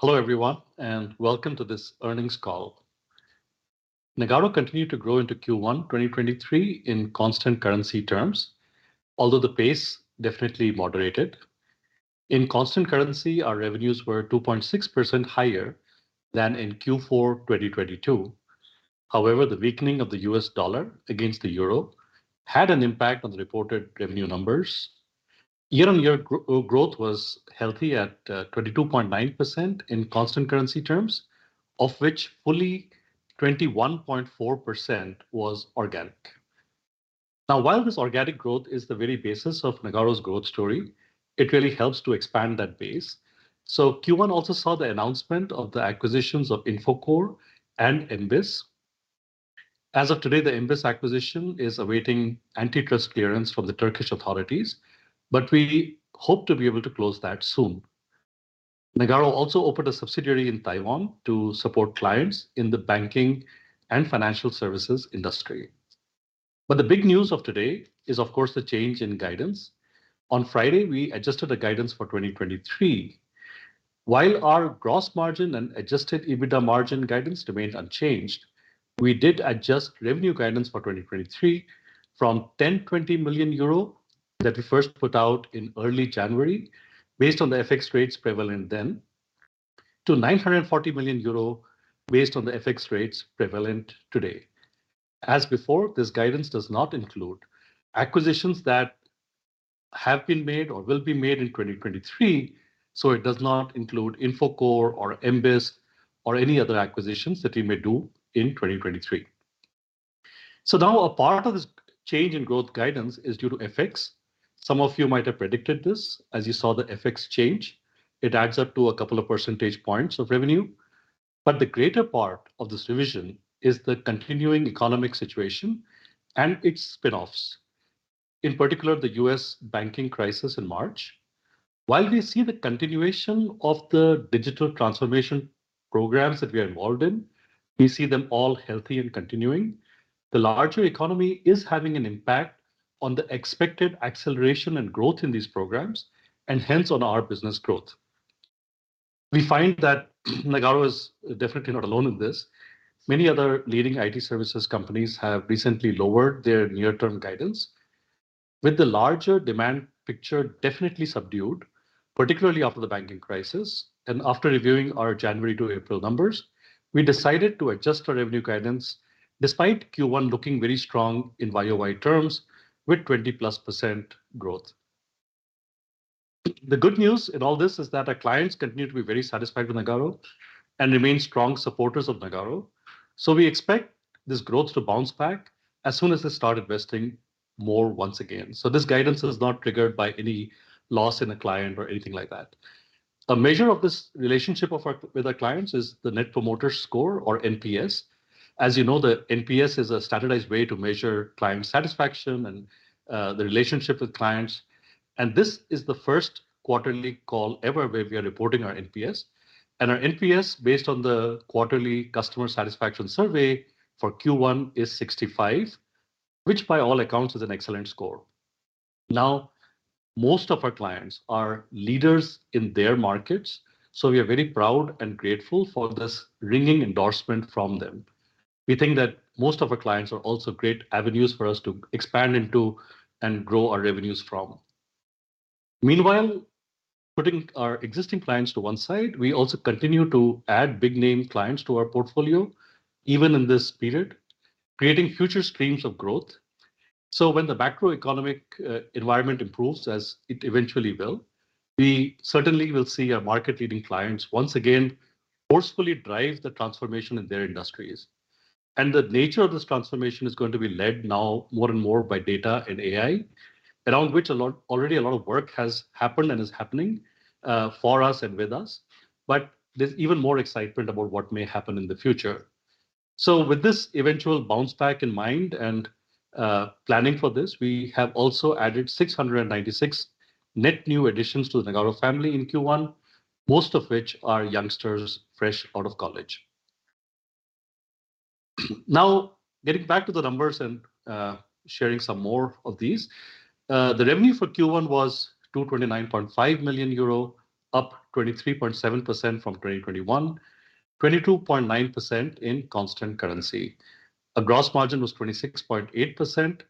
Hello everyone, welcome to this earnings call. Nagarro continued to grow into Q1 2023 in constant currency terms, although the pace definitely moderated. In constant currency, our revenues were 2.6% higher than in Q4 2022. The weakening of the US dollar against the euro had an impact on the reported revenue numbers. Year-on-year growth was healthy at 22.9% in constant currency terms, of which fully 21.4% was organic. While this organic growth is the very basis of Nagarro's growth story, it really helps to expand that base. Q1 also saw the announcement of the acquisitions of Infocore and MBIS. As of today, the MBIS acquisition is awaiting antitrust clearance from the Turkish authorities, we hope to be able to close that soon. Nagarro also opened a subsidiary in Taiwan to support clients in the banking and financial services industry. The big news of today is, of course, the change in guidance. On Friday, we adjusted the guidance for 2023. While our gross margin and Adjusted EBITDA margin guidance remained unchanged, we did adjust revenue guidance for 2023 from 1,020 million euro, that we first put out in early January based on the FX rates prevalent then, to 940 million euro based on the FX rates prevalent today. As before, this guidance does not include acquisitions that have been made or will be made in 2023, so it does not include Infocore or MBIS, or any other acquisitions that we may do in 2023. Now a part of this change in growth guidance is due to FX. Some of you might have predicted this as you saw the FX change. It adds up to a couple of percentage points of revenue. The greater part of this revision is the continuing economic situation and its spinoffs, in particular, the U.S. banking crisis in March. While we see the continuation of the digital transformation programs that we are involved in, we see them all healthy and continuing, the larger economy is having an impact on the expected acceleration and growth in these programs, and hence on our business growth. We find that Nagarro is definitely not alone in this. Many other leading IT services companies have recently lowered their near-term guidance. With the larger demand picture definitely subdued, particularly after the banking crisis and after reviewing our January to April numbers, we decided to adjust our revenue guidance despite Q1 looking very strong in YOY terms with 20+% growth. The good news in all this is that our clients continue to be very satisfied with Nagarro and remain strong supporters of Nagarro. We expect this growth to bounce back as soon as they start investing more once again. This guidance is not triggered by any loss in a client or anything like that. A measure of this relationship with our clients is the Net Promoter Score or NPS. As you know, the NPS is a standardized way to measure client satisfaction and the relationship with clients. This is the first quarterly call ever where we are reporting our NPS. Our NPS based on the quarterly customer satisfaction survey for Q1 is 65, which by all accounts is an excellent score. Most of our clients are leaders in their markets, so we are very proud and grateful for this ringing endorsement from them. We think that most of our clients are also great avenues for us to expand into and grow our revenues from. Meanwhile, putting our existing clients to one side, we also continue to add big name clients to our portfolio, even in this period, creating future streams of growth. When the macroeconomic environment improves, as it eventually will, we certainly will see our market-leading clients once again forcefully drive the transformation in their industries. The nature of this transformation is going to be led now more and more by data and AI, around which already a lot of work has happened and is happening for us and with us, but there's even more excitement about what may happen in the future. With this eventual bounce back in mind and planning for this, we have also added 696 net new additions to the Nagarro family in Q1, most of which are youngsters fresh out of college. Getting back to the numbers and sharing some more of these. The revenue for Q1 was 229.5 million euro, up 23.7% from 2021, 22.9% in constant currency. Our gross margin was 26.8%,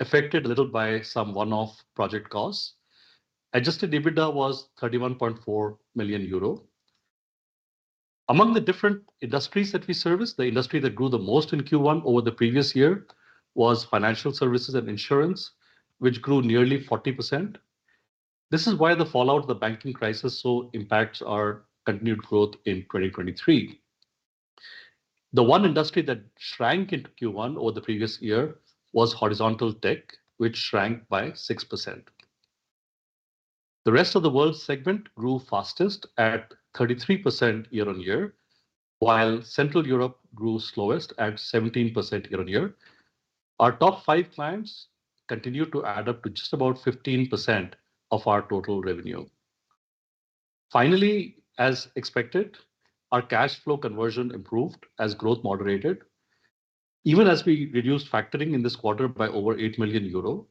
affected a little by some one-off project costs. Adjusted EBITDA was 31.4 million euro. Among the different industries that we service, the industry that grew the most in Q1 over the previous year was financial services and insurance, which grew nearly 40%. This is why the fallout of the banking crisis so impacts our continued growth in 2023. The one industry that shrank in Q1 over the previous year was Horizontal Tech, which shrank by 6%. The Rest of the World segment grew fastest at 33% year on year, while Central Europe grew slowest at 17% year on year. Our top five clients continue to add up to just about 15% of our total revenue. Finally, as expected, our cash flow conversion improved as growth moderated. Even as we reduced factoring in this quarter by over 8 million euro,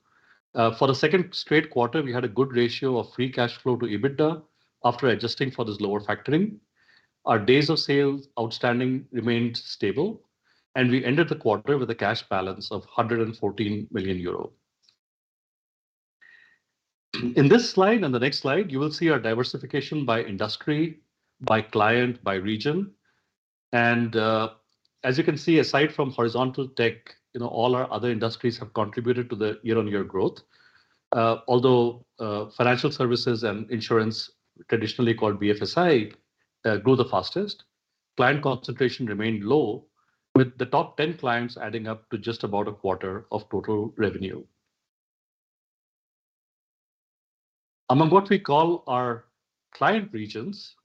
for the second straight quarter, we had a good ratio of free cash flow to EBITDA after adjusting for this lower factoring. Our Days of Sales Outstanding remained stable, and we ended the quarter with a cash balance of 114 million euro. In this slide and the next slide, you will see our diversification by industry, by client, by region. As you can see, aside from horizontal tech, you know, all our other industries have contributed to the year-on-year growth. Although financial services and insurance, traditionally called BFSI, grew the fastest. Client concentration remained low, with the top 10 clients adding up to just about a quarter of total revenue. Among what we call our client regions,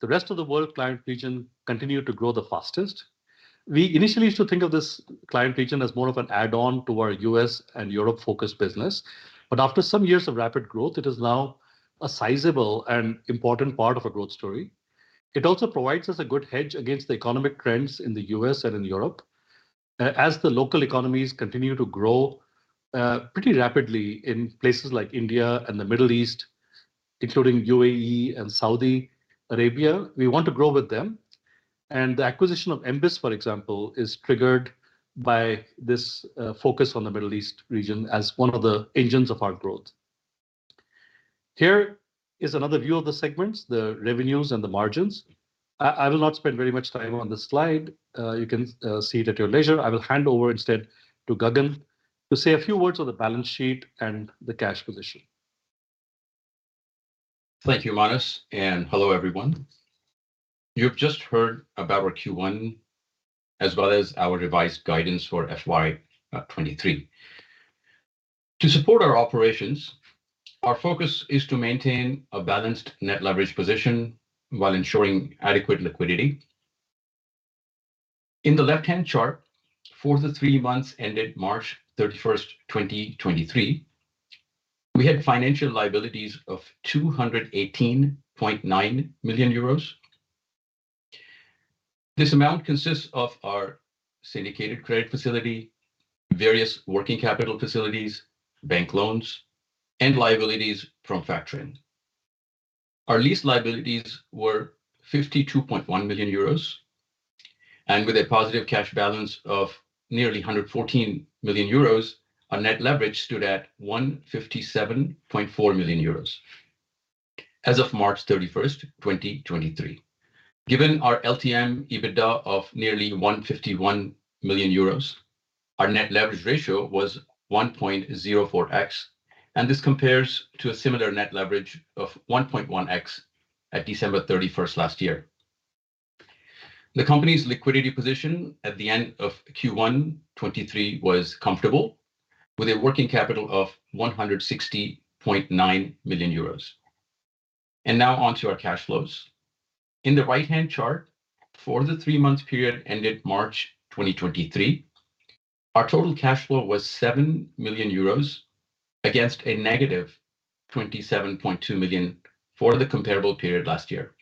the Rest of World client region continued to grow the fastest. We initially used to think of this client region as more of an add-on to our U.S. and Europe-focused business. After some years of rapid growth, it is now a sizable and important part of our growth story. It also provides us a good hedge against the economic trends in the U.S. and in Europe. As the local economies continue to grow pretty rapidly in places like India and the Middle East, including UAE and Saudi Arabia, we want to grow with them. The acquisition of MBIS, for example, is triggered by this focus on the Middle East region as one of the engines of our growth. Here is another view of the segments, the revenues and the margins. I will not spend very much time on this slide. You can see it at your leisure. I will hand over instead to Gagan to say a few words on the balance sheet and the cash position. Thank you, Manas. Hello, everyone. You've just heard about our Q1 as well as our revised guidance for FY 23. To support our operations, our focus is to maintain a balanced net leverage position while ensuring adequate liquidity. In the left-hand chart, for the 3 months ended March 31st, 2023, we had financial liabilities of 218.9 million euros. This amount consists of our syndicated credit facility, various working capital facilities, bank loans, and liabilities from factoring. Our lease liabilities were 52.1 million euros. With a positive cash balance of nearly 114 million euros, our net leverage stood at 157.4 million euros as of March 31st, 2023. Given our LTM EBITDA of nearly 151 million euros, our net leverage ratio was 1.04x. This compares to a similar net leverage of 1.1x at December 31st last year. The company's liquidity position at the end of Q1 2023 was comfortable, with a working capital of 160.9 million euros. Now onto our cash flows. In the right-hand chart, for the three-month period ended March 2023, our total cash flow was 7 million euros against a negative 27.2 million for the comparable period last year.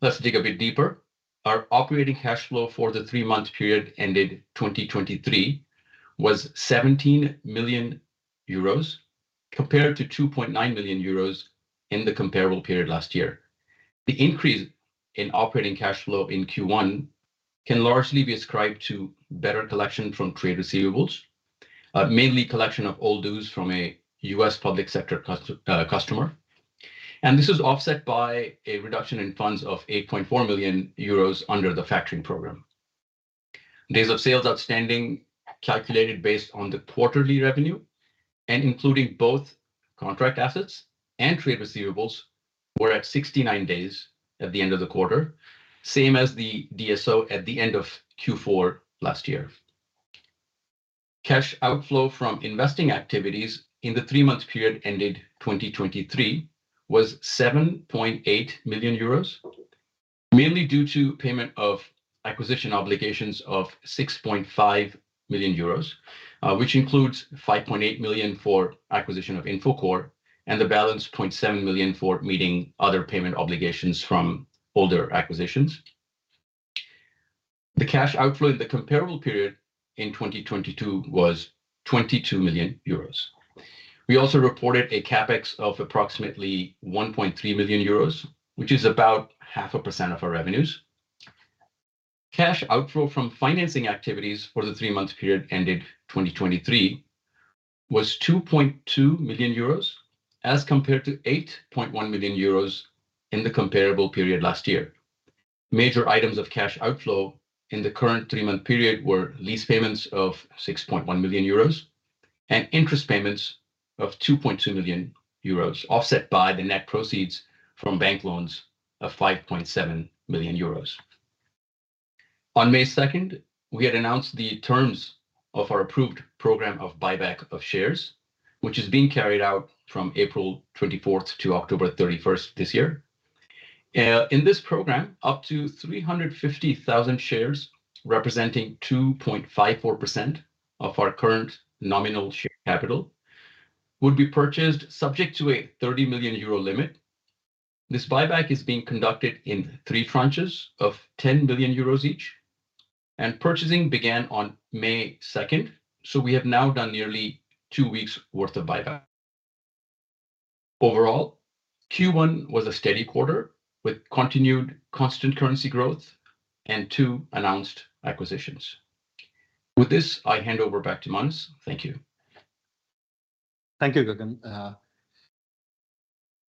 Let's dig a bit deeper. Our operating cash flow for the three-month period ended 2023 was 17 million euros compared to 2.9 million euros in the comparable period last year. The increase in operating cash flow in Q1 can largely be ascribed to better collection from trade receivables, mainly collection of old dues from a U.S. public sector customer. This is offset by a reduction in funds of 8.4 million euros under the factoring program. Days of sales outstanding calculated based on the quarterly revenue and including both contract assets and trade receivables were at 69 days at the end of the quarter, same as the DSO at the end of Q4 last year. Cash outflow from investing activities in the three-month period ended 2023 was 7.8 million euros, mainly due to payment of acquisition obligations of 6.5 million euros, which includes 5.8 million for acquisition of Infocore, and the balance, 0.7 million, for meeting other payment obligations from older acquisitions. The cash outflow in the comparable period in 2022 was 22 million euros. We also reported a CapEx of approximately 1.3 million euros, which is about 0.5% of our revenues. Cash outflow from financing activities for the three-month period ended 2023 was 2.2 million euros, as compared to 8.1 million euros in the comparable period last year. Major items of cash outflow in the current three-month period were lease payments of 6.1 million euros and interest payments of 2.2 million euros, offset by the net proceeds from bank loans of 5.7 million euros. On May 2nd, we had announced the terms of our approved program of buyback of shares, which is being carried out from April 24th to October 31st this year. In this program, up to 350,000 shares, representing 2.54% of our current nominal share capital, would be purchased subject to a 30 million euro limit. This buyback is being conducted in 3 tranches of 10 billion euros each. Purchasing began on May 2nd. We have now done nearly 2 weeks worth of buyback. Q1 was a steady quarter with continued constant currency growth and 2 announced acquisitions. With this, I hand over back to Manas. Thank you. Thank you, Gagan.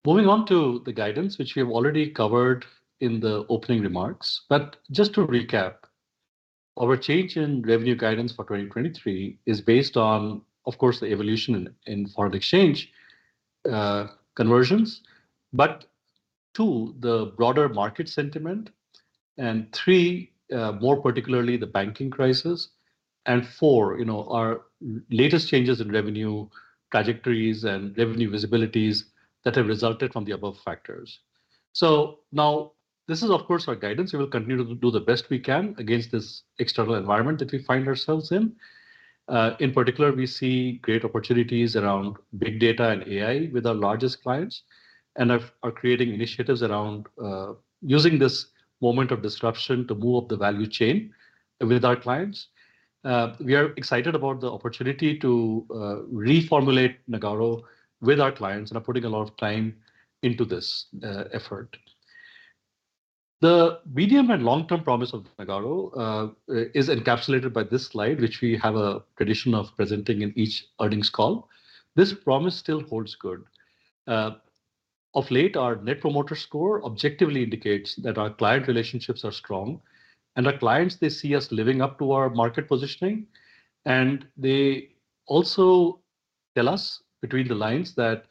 Moving on to the guidance which we have already covered in the opening remarks. Just to recap, our change in revenue guidance for 2023 is based on, of course, the evolution in foreign exchange conversions. Two, the broader market sentiment, three, more particularly the banking crisis. Four, you know, our latest changes in revenue trajectories and revenue visibilities that have resulted from the above factors. Now this is of course our guidance. We will continue to do the best we can against this external environment that we find ourselves in. In particular, we see great opportunities around big data and AI with our largest clients and are creating initiatives around using this moment of disruption to move up the value chain with our clients. We are excited about the opportunity to reformulate Nagarro with our clients and are putting a lot of time into this effort. The medium and long-term promise of Nagarro is encapsulated by this slide, which we have a tradition of presenting in each earnings call. This promise still holds good. Of late, our Net Promoter Score objectively indicates that our client relationships are strong. Our clients, they see us living up to our market positioning, and they also tell us between the lines that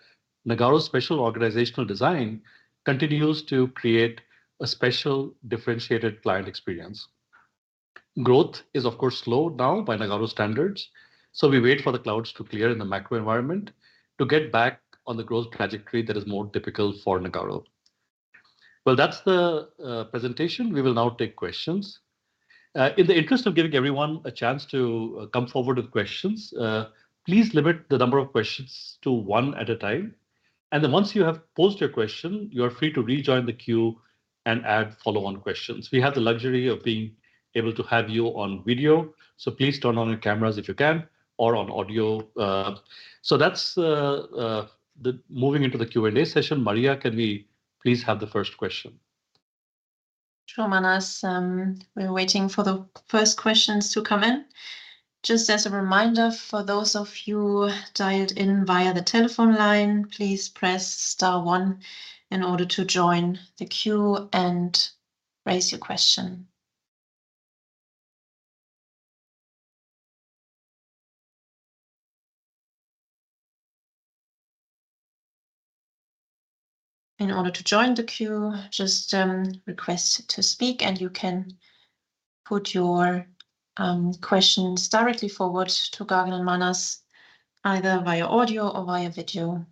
Nagarro's special organizational design continues to create a special differentiated client experience. Growth is, of course, slowed down by Nagarro standards, so we wait for the clouds to clear in the macro environment to get back on the growth trajectory that is more typical for Nagarro. Well, that's the presentation. We will now take questions. In the interest of giving everyone a chance to come forward with questions, please limit the number of questions to one at a time. Once you have posed your question, you are free to rejoin the queue and add follow-on questions. We have the luxury of being able to have you on video, so please turn on your cameras if you can, or on audio. That's moving into the Q&A session. Maria, can we please have the first question? Sure, Manas. We're waiting for the first questions to come in. Just as a reminder, for those of you dialed in via the telephone line, please press star one in order to join the queue and raise your question. In order to join the queue, just request to speak, and you can put your questions directly forward to Gagan and Manas either via audio or via video.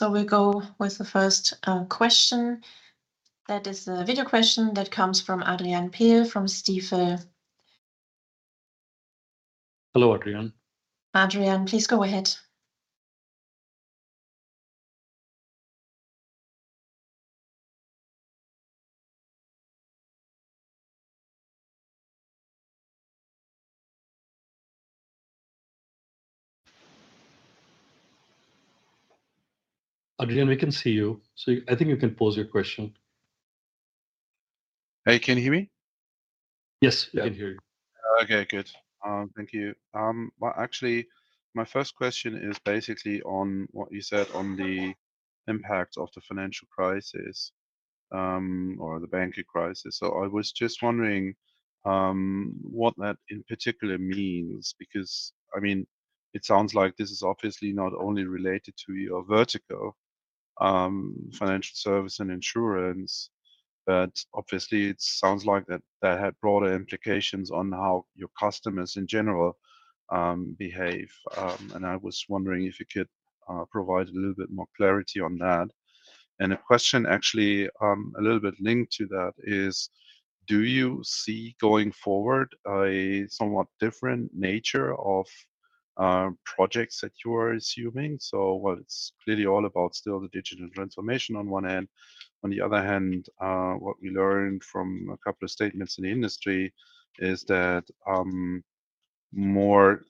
We go with the first question. That is a video question that comes from Adrian Pehl from Stifel. Hello, Adrian. Adrian, please go ahead. Adrian, we can see you, so I think you can pose your question. Hey, can you hear me? Yes, we can hear you. Okay, good. Thank you. Well, actually, my first question is basically on what you said on the impact of the financial crisis, or the banking crisis. I was just wondering what that in particular means, because I mean, it sounds like this is obviously not only related to your vertical, financial service and insurance, but obviously it sounds like that had broader implications on how your customers in general behave. And I was wondering if you could provide a little bit more clarity on that. A question actually, a little bit linked to that is, do you see going forward a somewhat different nature of projects that you are assuming? While it's clearly all about still the digital transformation on one hand, on the other hand, what we learned from a couple of statements in the industry is that More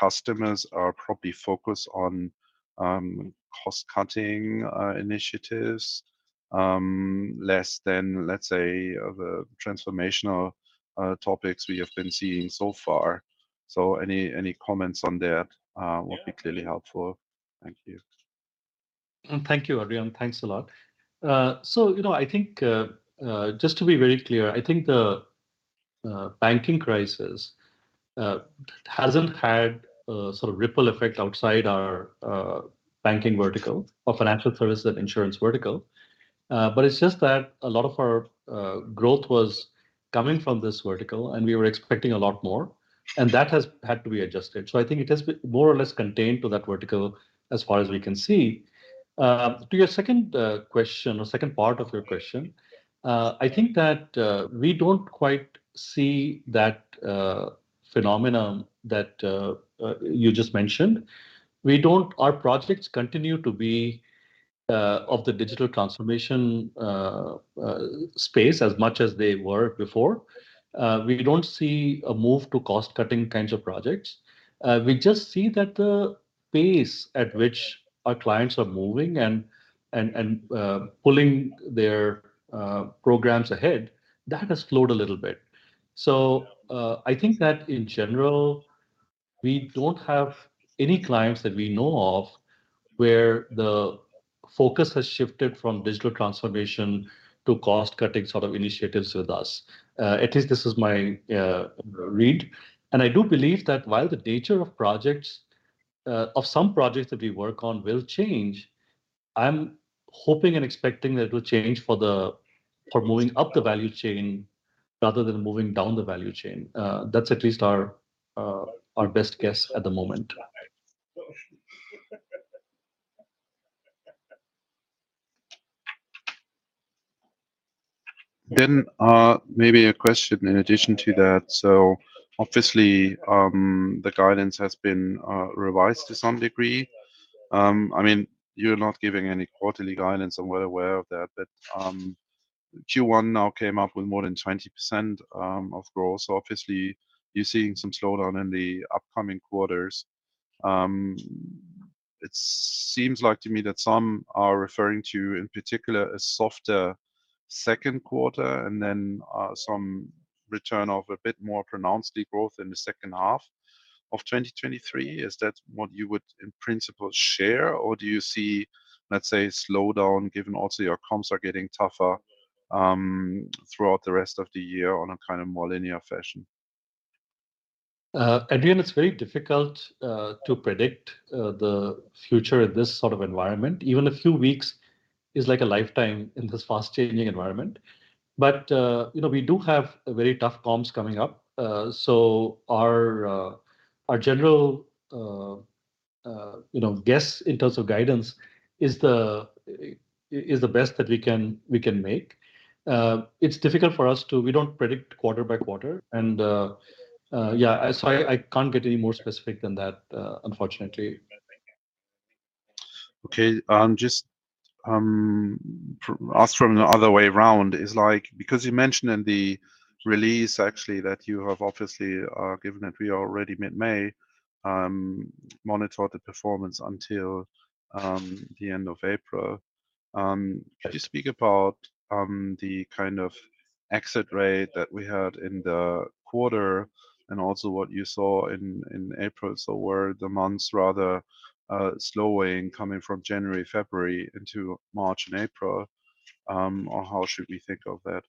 customers are probably focused on cost-cutting initiatives, less than, let's say, the transformational topics we have been seeing so far. Any, any comments on that would be clearly helpful. Thank you. Thank you, Adrian. Thanks a lot. You know, I think, just to be very clear, I think the banking crisis hasn't had a sort of ripple effect outside our banking vertical or financial service and insurance vertical. It's just that a lot of our growth was coming from this vertical, and we were expecting a lot more, and that has had to be adjusted. I think it has more or less contained to that vertical as far as we can see. To your second question or second part of your question, I think that we don't quite see that phenomenon that you just mentioned. Our projects continue to be of the digital transformation space as much as they were before. We don't see a move to cost-cutting kinds of projects. We just see that the pace at which our clients are moving and pulling their programs ahead, that has slowed a little bit. I think that in general, we don't have any clients that we know of where the focus has shifted from digital transformation to cost-cutting sort of initiatives with us. At least this is my read. I do believe that while the nature of projects of some projects that we work on will change, I'm hoping and expecting that it will change for moving up the value chain rather than moving down the value chain. That's at least our best guess at the moment. Maybe a question in addition to that. Obviously, the guidance has been revised to some degree. I mean, you're not giving any quarterly guidance, and we're aware of that. Q1 now came up with more than 20% of growth. Obviously you're seeing some slowdown in the upcoming quarters. It seems like to me that some are referring to, in particular, a softer second quarter and then some return of a bit more pronounced de-growth in the second half of 2023. Is that what you would, in principle, share, or do you see, let's say, a slowdown, given also your comps are getting tougher throughout the rest of the year on a kind of more linear fashion? Adrian, it's very difficult to predict the future in this sort of environment. Even a few weeks is like a lifetime in this fast-changing environment. You know, we do have very tough comps coming up. Our general, you know, guess in terms of guidance is the best that we can make. We don't predict quarter by quarter. Yeah, so I can't get any more specific than that, unfortunately. Okay. Just ask from the other way around is like, because you mentioned in the release actually that you have obviously, given that we are already mid-May, monitored the performance until the end of April. Could you speak about the kind of exit rate that we had in the quarter and also what you saw in April? Were the months rather slowing coming from January, February into March and April, or how should we think of that?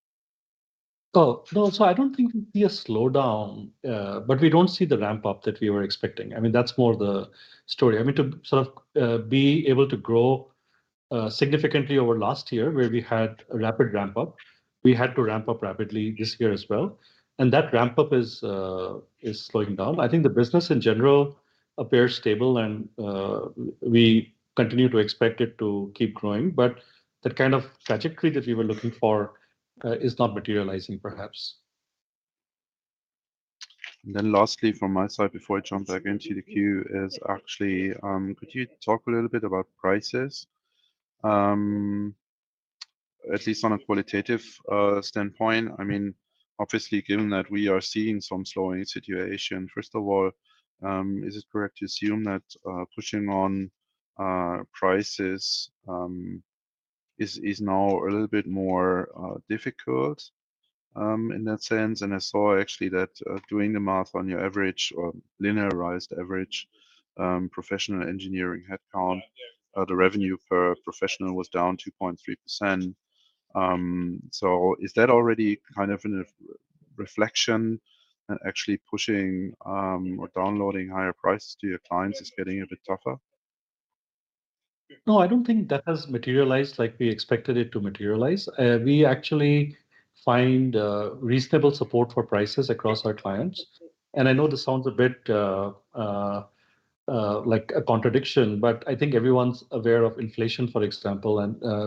I don't think it would be a slowdown, but we don't see the ramp-up that we were expecting. I mean, that's more the story. I mean, to sort of be able to grow significantly over last year where we had a rapid ramp-up, we had to ramp up rapidly this year as well, and that ramp-up is slowing down. I think the business in general appears stable, and we continue to expect it to keep growing. That kind of trajectory that we were looking for is not materializing perhaps. Lastly from my side before I jump back into the queue, could you talk a little bit about prices at least on a qualitative standpoint? I mean, obviously, given that we are seeing some slowing situation, first of all, is it correct to assume that pushing on prices is now a little bit more difficult in that sense? I saw that doing the math on your average or linearized average professional engineering headcount, the revenue per professional was down 2.3%. Is that already kind of a reflection and pushing or downloading higher prices to your clients is getting a bit tougher? No, I don't think that has materialized like we expected it to materialize. We actually find reasonable support for prices across our clients. I know this sounds a bit like a contradiction, but I think everyone's aware of inflation, for example.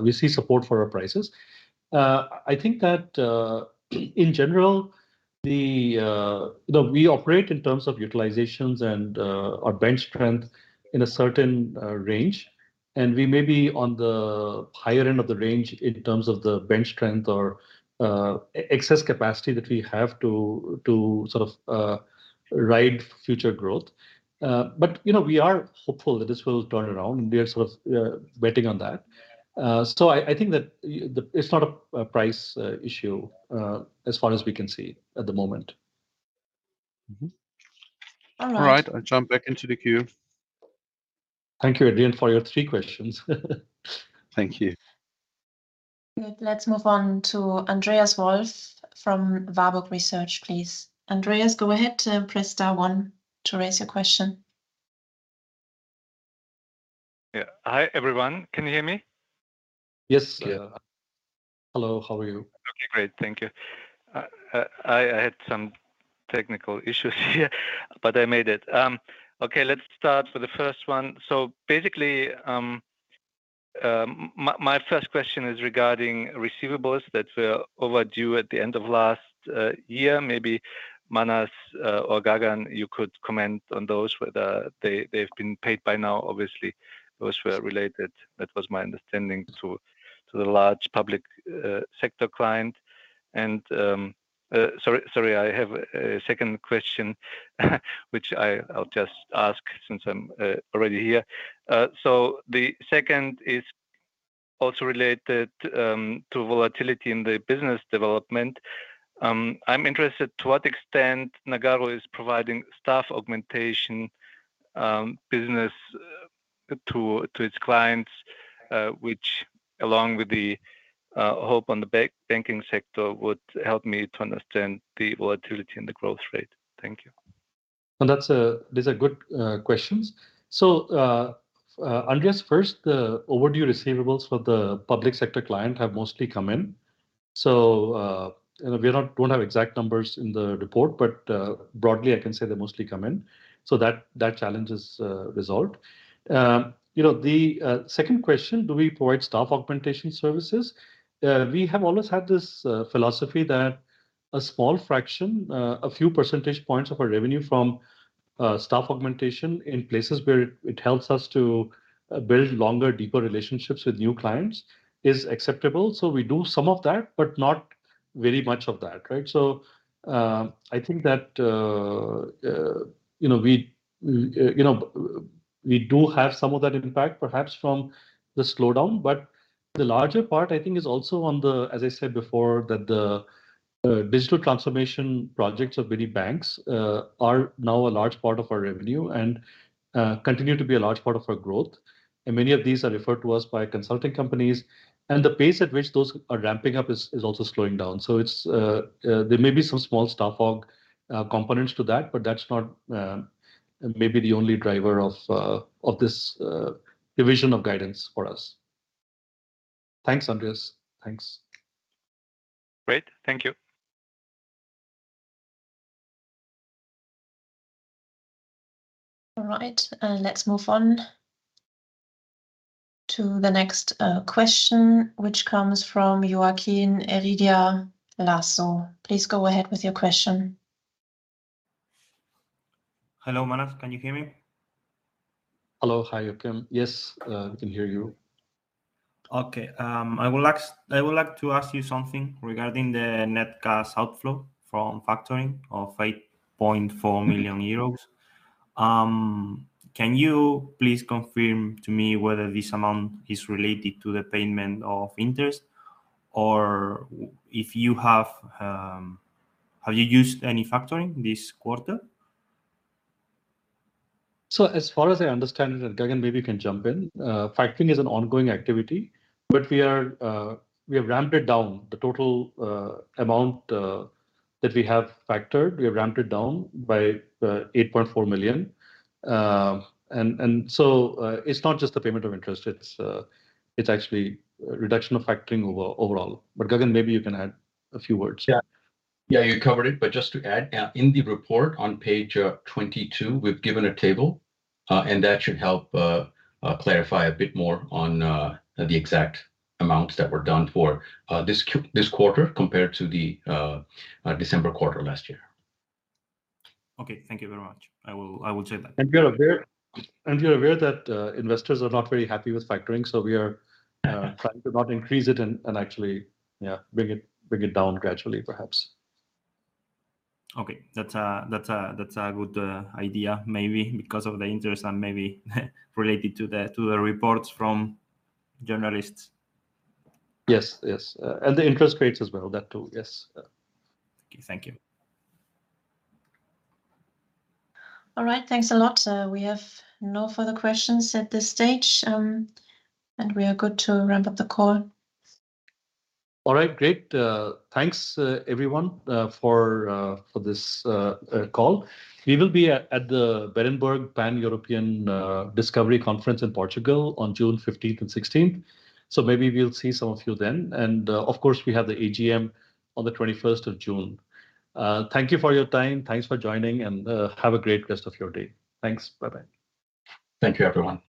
We see support for our prices. I think that, in general, you know, we operate in terms of utilizations and our bench strength in a certain range. We may be on the higher end of the range in terms of the bench strength or excess capacity that we have to sort of ride future growth. You know, we are hopeful that this will turn around. We are sort of betting on that. I think that it's not a price issue as far as we can see at the moment. All right. All right, I jump back into the queue. Thank you again for your three questions. Thank you. Good. Let's move on to Andreas Wolf from Warburg Research, please. Andreas, go ahead. Press star one to raise your question. Yeah. Hi, everyone. Can you hear me? Yes. Yeah. Hello. How are you? Okay, great. Thank you. I had some technical issues here but I made it. Let's start with the first one. Basically, my first question is regarding receivables that were overdue at the end of last year. Maybe Manas or Gagan, you could comment on those, whether they've been paid by now. Obviously, those were related. That was my understanding to the large public sector client. Sorry, I have a second question which I'll just ask since I'm already here. The second is also related to volatility in the business development. I'm interested to what extent Nagarro is providing staff augmentation business to its clients, which along with the hope on the banking sector would help me to understand the volatility and the growth rate. Thank you. These are good questions. Andreas, first, the overdue receivables for the public sector client have mostly come in. You know, we don't have exact numbers in the report, but, broadly, I can say they mostly come in, so that challenge is resolved. You know, the second question, do we provide staff augmentation services? We have always had this philosophy that a small fraction, a few percentage points of our revenue from staff augmentation in places where it helps us to build longer, deeper relationships with new clients is acceptable. We do some of that, but not very much of that. Right? I think that, you know, we, you know, we do have some of that impact perhaps from the slowdown, but the larger part I think is also on the, as I said before, that the digital transformation projects of many banks are now a large part of our revenue and continue to be a large part of our growth. Many of these are referred to us by consulting companies, and the pace at which those are ramping up is also slowing down. There may be some small staff AUG components to that, but that's not maybe the only driver of this division of guidance for us. Thanks, Andreas. Thanks. Great. Thank you. All right, let's move on to the next question, which comes from Joaquin Heredia Lasso. Please go ahead with your question. Hello, Manas. Can you hear me? Hello. Hi, Joaquin. Yes, we can hear you. I would like to ask you something regarding the net cash outflow from factoring of 8.4 million euros. Can you please confirm to me whether this amount is related to the payment of interest, or have you used any factoring this quarter? As far as I understand it, and Gagan maybe you can jump in, factoring is an ongoing activity, but we are, we have ramped it down. The total amount that we have factored, we have ramped it down by 8.4 million. It's not just the payment of interest, it's actually a reduction of factoring overall. Gagan, maybe you can add a few words. Yeah. Yeah, you covered it. Just to add, in the report on page 22, we've given a table, that should help clarify a bit more on the exact amounts that were done for this quarter compared to the December quarter last year. Okay. Thank you very much. I will check that. We are aware that investors are not very happy with factoring, trying to not increase it and actually, yeah, bring it down gradually perhaps. Okay. That's a good idea maybe because of the interest and maybe related to the reports from journalists. Yes. Yes. The interest rates as well. That too. Yes. Yeah. Thank you. Thank you. All right. Thanks a lot. We have no further questions at this stage, and we are good to wrap up the call. All right. Great. Thanks, everyone, for this call. We will be at the Berenberg pan-European Discovery Conference in Portugal on June 15th and 16th, maybe we'll see some of you then. Of course, we have the AGM on the 21st of June. Thank you for your time. Thanks for joining, have a great rest of your day. Thanks. Bye-bye. Thank you, everyone.